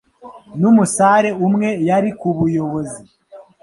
n'umusare umwe yari ku buyobozi